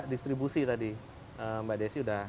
distribusi tadi mbak desi sudah